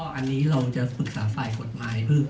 ก็อันนี้เราจะฝึกษาฝ่ายกฎหมายเพื่อ